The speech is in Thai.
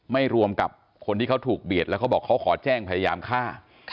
รวมกับคนที่เขาถูกเบียดแล้วเขาบอกเขาขอแจ้งพยายามฆ่า